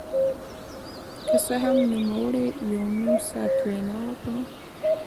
که څه هم نوموړي يو نيم ساعت وينا وکړه.